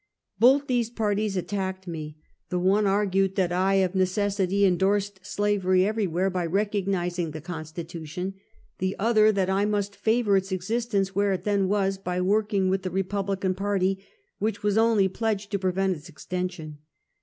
Both these parties attacked me. The one argued that I, of necessity, endorsed slavery everywhere by rec ognizing the Constitution ; the other that I must favor its existence wliere it then was, by working with the Re publican party, which was only pledged to prevent its extension.